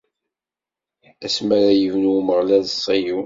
Asmi ara yebnu Umeɣlal Ṣiyun.